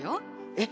えっ？